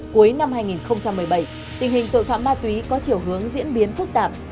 cuối năm hai nghìn một mươi bảy tình hình tội phạm ma túy có chiều hướng diễn biến phức tạp